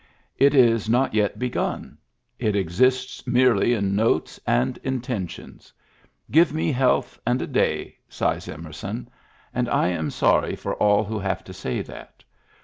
It is not yet begun ; it exists merely in notes and inten tions. Give me health and a day, sighs Emer son; and I am sorry for all who have to say that.